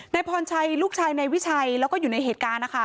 พรชัยลูกชายในวิชัยแล้วก็อยู่ในเหตุการณ์นะคะ